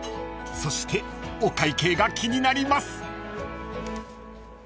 ［そしてお会計が気になります］